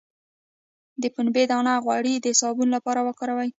د پنبې دانه غوړي د صابون لپاره وکاروئ